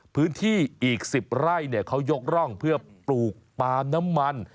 พื้นที่อีก๑๐ไร่เขายกร่องเพื่อปลูกปาล์มน้ำมัน